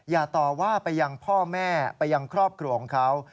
อย่าต่อว่าไปยังพ่อแม่ไปยังครอบครัวของเขา